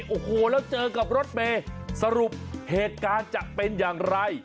โอ้โหแล้วเจอกับรถเมย์สรุปเหตุการณ์จะเป็นอย่างไร